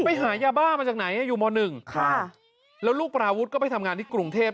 ไปหายาบ้ามาจากไหนอยู่ม๑ค่ะแล้วลูกปราวุฒิก็ไปทำงานที่กรุงเทพ